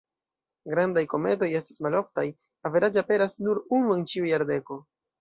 Grandaj kometoj estas maloftaj, averaĝe aperas nur unu en ĉiu jardeko.